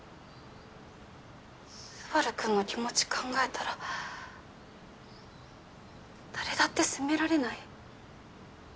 昴くんの気持ち考えたら誰だって責められない。